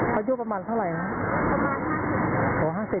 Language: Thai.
หายุประมานเท่าไหร่ก็ประมาน๑๕๒๐ปี